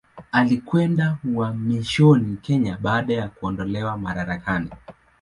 Alikwenda uhamishoni Kenya baada ya kuondolewa madarakani.